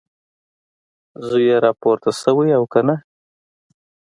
زوی یې راپورته شوی او که نه؟